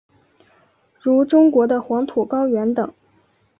如中国的黄土高原等。